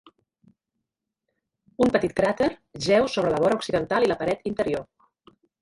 Un petit cràter jeu sobre la vora occidental i la paret interior.